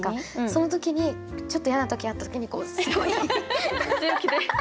その時にちょっと嫌な時あった時にこうすごい強気で。